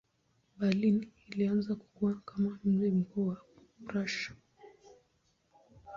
Berlin ilianza kukua kama mji mkuu wa Prussia.